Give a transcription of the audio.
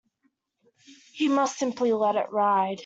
He must simply let it ride.